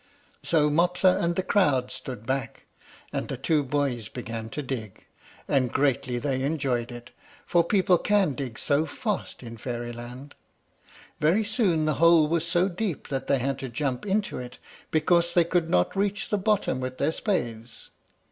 So Mopsa and the crowd stood back, and the two boys began to dig; and greatly they enjoyed it, for people can dig so fast in Fairyland. Very soon the hole was so deep that they had to jump into it, because they could not reach the bottom with their spades.